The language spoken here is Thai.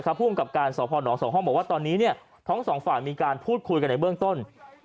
คะภูมิกับการสอนสองทำส่องห้องว่าตอนนี้เนี่ยทั้งสองฝ่ามีการพูดคุยในเบื้องต้น